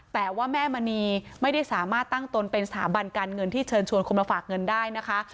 แต่ว่าแม่มณีไม่ได้สามารถตั้งตนเป็นสถาบันการเงินที่เชิญชวนคนมาฝากเงินได้นะคะ